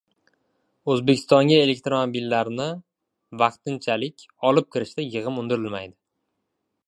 O‘zbekistonga elektromobillarni vaqtinchalik olib kirishda yig‘im undirilmaydi